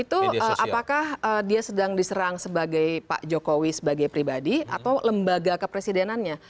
itu apakah dia sedang diserang sebagai pak jokowi sebagai pribadi atau lembaga kepresidenannya